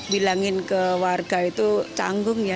bilangin ke warga itu canggung ya